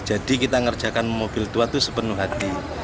jadi kita ngerjakan mobil tua tuh sepenuh hati